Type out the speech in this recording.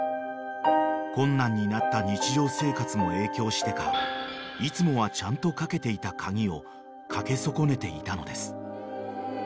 ［困難になった日常生活も影響してかいつもはちゃんと掛けていた鍵を掛け損ねていたのです］